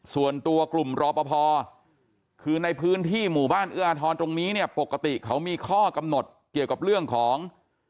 ส่วนตัวกลุ่มรอปภคือในพื้นที่หมู่บ้านเอื้ออาทรตรงนี้เนี่ยปกติเขามีข้อกำหนดเกี่ยวกับเรื่องของ